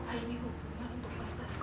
ah ini hubungan untuk mas basko